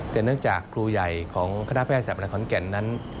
แต่เนื่องจากครูใหญ่ของคณะพยาศาสตร์อำนาคมของแก่นนั้น